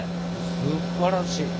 すばらしい。